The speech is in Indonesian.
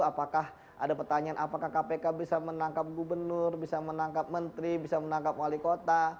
apakah ada pertanyaan apakah kpk bisa menangkap gubernur bisa menangkap menteri bisa menangkap wali kota